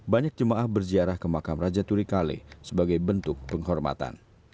banyak jemaah berziarah ke makam raja turikale sebagai bentuk penghormatan